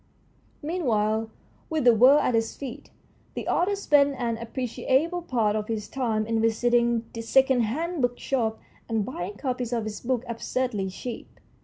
Meanwhile, with the world at his feet, the author spent an appreciable part of his time in visiting the second hand bookshops and buying copies of his book absurdly cheap.